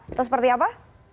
itu seperti apa